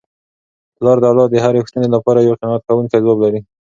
پلار د اولاد د هرې پوښتني لپاره یو قناعت کوونکی ځواب لري.